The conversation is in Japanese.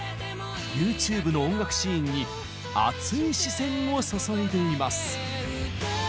ＹｏｕＴｕｂｅの音楽シーンに熱い視線を注いでいます。